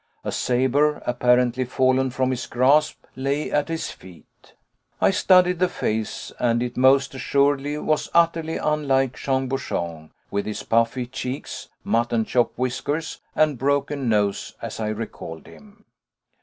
A sabre, apparently fallen from his grasp, lay at his feet. I studied the face, and it most assuredly was utterly unlike Jean Bouchon with his puffy cheeks, mutton chop whiskers, and broken nose, as I recalled him.